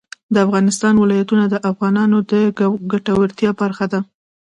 د افغانستان ولايتونه د افغانانو د ګټورتیا برخه ده.